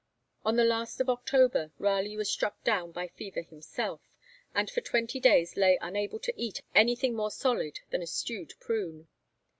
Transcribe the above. On the last of October, Raleigh was struck down by fever himself, and for twenty days lay unable to eat anything more solid than a stewed prune.